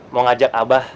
mau ngajak abah